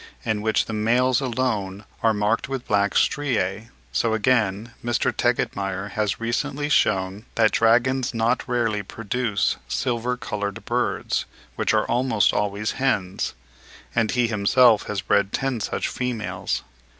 in which the males alone are marked with black striae. So again Mr. Tegetmeier has recently shewn (5. The 'Field,' Sept. 1872.) that dragons not rarely produce silver coloured birds, which are almost always hens; and he himself has bred ten such females.